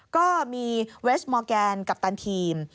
ก็มีเวสมอร์แกนกัปตันทีม